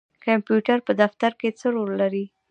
کمپیوټر په دفتر کې څه رول لري؟